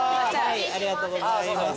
ありがとうございます。